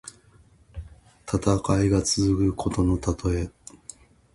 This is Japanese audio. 戦いが続くことのたとえ。